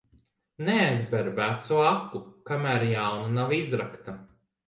Neaizber vecu aku, kamēr jauna nav izrakta.